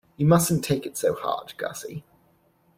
You mustn't take it so hard, Gussie.